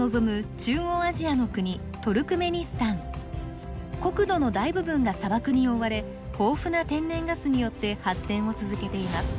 中央アジアの国国土の大部分が砂漠に覆われ豊富な天然ガスによって発展を続けています。